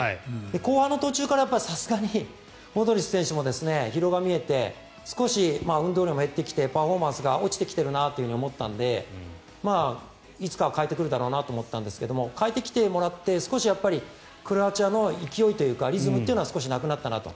後半の途中からさすがにモドリッチ選手も疲労が見えて少し運動量も減ってきてパフォーマンスが落ちてきているなと思ったのでいつかは代えてくるだろうなと思ったんですが代えてきてもらって少しクロアチアの勢いというかリズムというのは少しなくなったなと。